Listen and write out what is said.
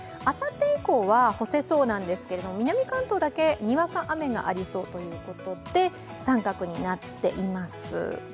あさって以降は干せそうなんですが南関東だけにわか雨がありそうということで三角になっています。